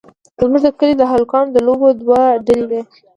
زموږ د کلي د هلکانو د لوبو دوه ډلې وې.